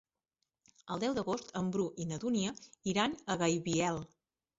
El deu d'agost en Bru i na Dúnia iran a Gaibiel.